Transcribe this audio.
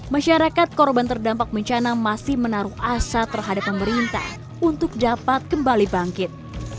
masyarakat korban terdampak bencana masih menaruh asa terhadap pemerintah untuk dapat kembali bangkit